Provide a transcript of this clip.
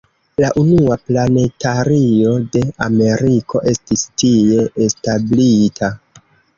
La unua planetario de Ameriko estis tie establita.